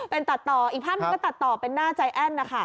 เป็นตัดต่ออีกภาพหนึ่งก็ตัดต่อเป็นหน้าใจแอ้นนะคะ